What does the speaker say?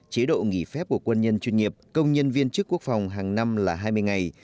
chế độ nghỉ phép của quân nhân chuyên nghiệp công nhân viên chức quốc phòng hàng năm là hai mươi ngày